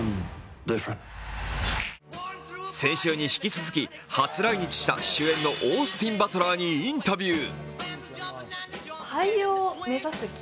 先週に引き続き、初来日した主演のオースティン・バトラーにインタビュー。